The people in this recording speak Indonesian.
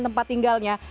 dari tempat tinggalnya